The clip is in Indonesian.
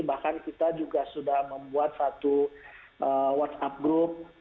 bahkan kita juga sudah membuat satu whatsapp group